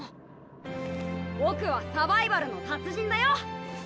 僕はサバイバルの達人だよ。任せて！